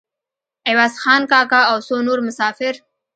عوض خان کاکا او څو نور مسافر.